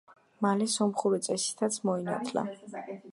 მალე სომხური წესითაც მოინათლა.